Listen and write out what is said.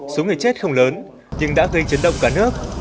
số người chết không lớn nhưng đã gây chấn động cả nước